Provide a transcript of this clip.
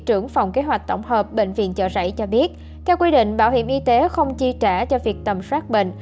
trưởng phòng kế hoạch tổng hợp bệnh viện chợ rẫy cho biết theo quy định bảo hiểm y tế không chi trả cho việc tầm soát bệnh